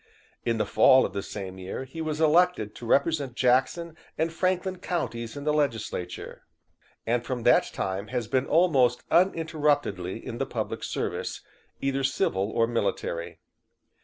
In the fall of the same year he was elected to represent Jackson and Franklin counties in the legislature, and from that time has been almost uninterruptedly in the public service, either civil or military.